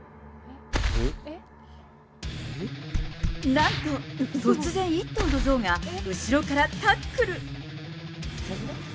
なんと、突然、一頭のゾウが後ろからタックル。